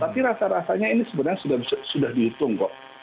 tapi rasa rasanya ini sebenarnya sudah dihitung kok